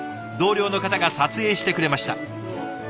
同僚の方が撮影してくれました。